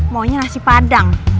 maunya nasi padang